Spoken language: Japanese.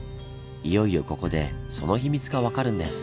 いよいよここでその秘密が分かるんです。